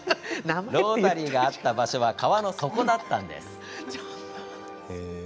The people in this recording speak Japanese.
ロータリーがあった場所は川の底だったんです。